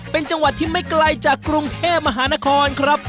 เป็นจังหวัดที่ไม่ไกลจากกรุงเทพมหานครครับ